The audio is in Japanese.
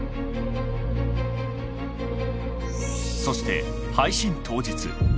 そして配信当日。